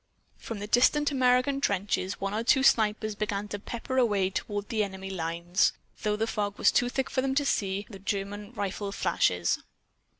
From the distant American trenches, one or two snipers began to pepper away toward the enemy lines, though the fog was too thick for them, to see the German rifle flashes.